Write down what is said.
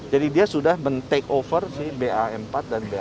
jadi dia sudah meng take over si b empat dan b lima